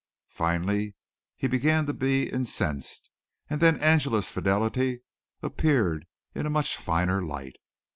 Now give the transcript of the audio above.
Finally he began to be incensed, and then Angela's fidelity appeared in a much finer light.